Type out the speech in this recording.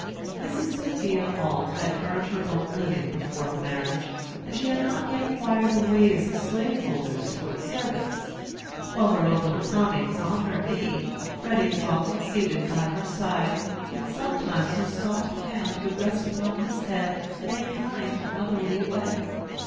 Mrs. Sophia Auld had earned her own living before her marriage, and she had not yet acquired the ways of slaveholders toward servants. While her own little Tommy was on her knee, Freddy was often seated by her side, and sometimes her soft hand would rest upon his head in a kind, motherly way.